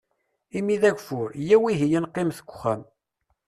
Imi d agfur, iyyaw ihi ad neqqimet deg uxxam.